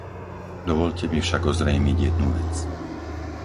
Dovoľte mi však ozrejmiť jednu vec.